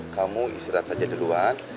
kamu istirahat saja duluan